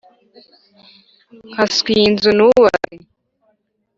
nkaswe iyi nzu nubatse.